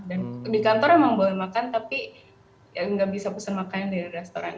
dan di kantor emang boleh makan tapi enggak bisa pesan makanan dari restoran